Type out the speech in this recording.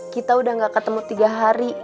kita udah gak ketemu tiga hari